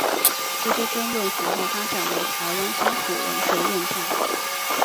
这些争论随后发展为台湾乡土文学论战。